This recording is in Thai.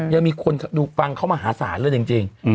ยังมีคนดูฟังเขามหาศาลเลยจริง